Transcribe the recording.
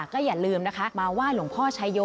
ก็อย่าลืมนะคะมาไหว้หลวงพ่อชายโย